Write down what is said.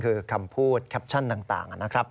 คือคำพูดแคปชั่นต่างนะครับ